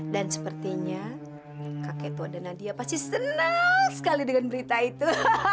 dan sepertinya kakek tua dan nadia pasti senang sekali dengan berita itu